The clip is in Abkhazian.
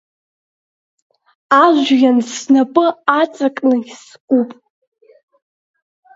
Ажәҩан снапы аҵакны искуп…